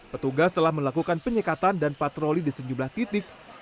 petugas telah melakukan penyekatan dan patroli di sejumlah titik